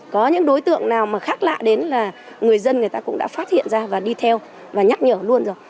có những đối tượng nào khác lạ đến là người dân cũng đã phát hiện ra và đi theo và nhắc nhở luôn rồi